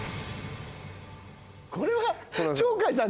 これは鳥海さん